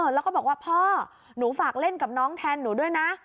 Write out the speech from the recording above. แล้วก็บอกว่าพ่อหนูฝากเล่นกับน้องแทนหนูด้วยนะ